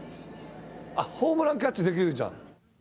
ホームランキャッチできるじゃん。